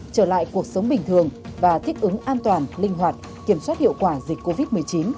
trở lại cuộc sống bình thường và thích ứng an toàn linh hoạt kiểm soát hiệu quả dịch covid một mươi chín